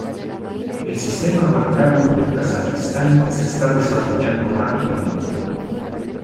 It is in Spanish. El sistema bancario de Kazajistán se está desarrollando rápidamente.